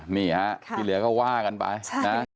มีครับที่เหลือก็ว่ากันไป